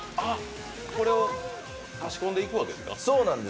それを差し込んでいくわけですか。